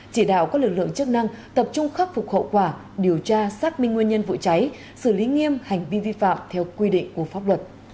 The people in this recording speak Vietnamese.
chỉ đạo các lực lượng chức năng tập trung khắc phục hậu quả điều tra xác minh nguyên nhân vụ cháy xử lý nghiêm hành vi vi phạm theo quy định của pháp luật